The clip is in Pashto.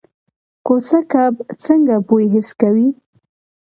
کوسه کب څنګه بوی حس کوي؟